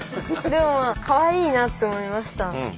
でもかわいいなって思いました。